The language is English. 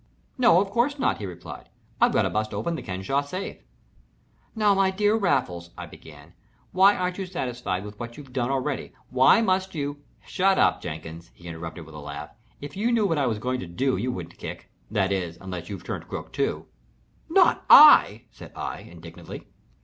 "No of course not," he replied. "I've got to bust open the Kenesaw safe." "Now, my dear Raffles," I began, "why aren't you satisfied with what you've done already. Why must you " "Shut up, Jenkins," he interrupted, with a laugh. "If you knew what I was going to do you wouldn't kick that is, unless you've turned crook too?" "Not I," said I, indignantly.